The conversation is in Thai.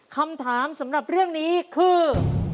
คำถามสำหรับเรื่องนี้คือ